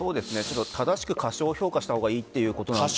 正しく過小評価した方がいいということ。